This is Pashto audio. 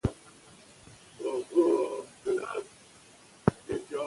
دا معاهده ډیر اوږد وخت ونیو.